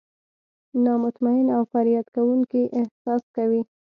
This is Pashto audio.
نا مطمئن او فریاد کوونکي احساس کوي.